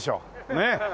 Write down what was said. ねえ。